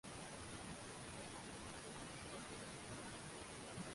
• Dunyoda hech kimga keraksiz inson yo‘q.